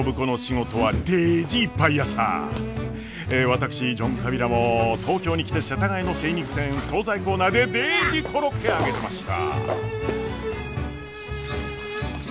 私ジョン・カビラも東京に来て世田谷の精肉店総菜コーナーでデージコロッケ揚げてました。